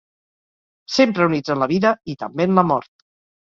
Sempre units en la vida i també en la mort.